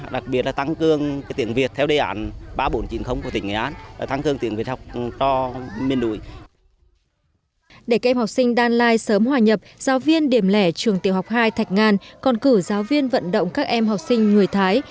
để các em học sinh đan lai sớm hòa nhập giáo viên điểm lẻ trường tiểu học hai thạch ngan còn cử giáo viên vận động các em học sinh người thái